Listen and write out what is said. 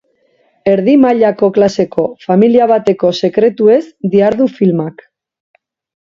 Erdi mailako klaseko familia bateko sekretuez dihardu filmak.